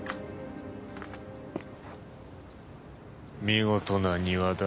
見事な庭だ。